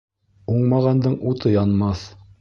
Уңмағандың уты янмаҫ.